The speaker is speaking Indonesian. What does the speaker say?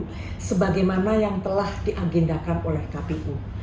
pemerintah akan terus memberikan fasilitas dan dukungan pelaksanaan pemilu dua ribu dua puluh empat